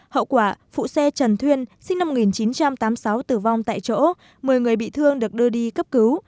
hậu quả phụ xe trần thuyên sinh năm một nghìn chín trăm tám mươi sáu tử vong tại chỗ một mươi người bị thương được đưa đi cấp cứu